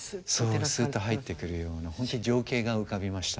そうすっと入ってくるような本当に情景が浮かびました。